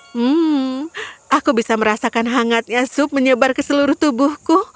hmm aku bisa merasakan hangatnya sup menyebar ke seluruh tubuhku